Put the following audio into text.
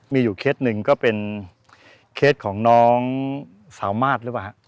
มีอยู่เคสหนึ่งก็เป็นเคสของน้องสาวมาสหรือเปล่าฮะ